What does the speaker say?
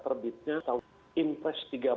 terbitnya tahun infest tiga belas